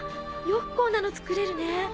よくこんなの作れるね。